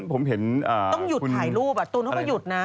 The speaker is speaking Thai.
ผมเห็นต้องหยุดถ่ายรูปตูนเขาก็หยุดนะ